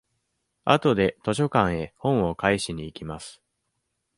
あとで図書館へ本を返しに行きます。